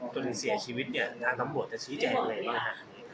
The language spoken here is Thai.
จนเสียชีวิตเนี่ยทางตำรวจจะชี้แจงอะไรบ้างฮะ